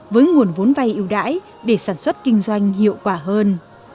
với nguồn vốn vay ưu đãi để sản xuất kinh doanh hiệu quả hơn